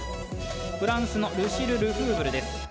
フランスのルシル・ルフーブルです。